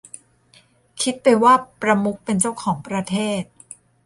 คิดไปว่าประมุขเป็นเจ้าของประเทศ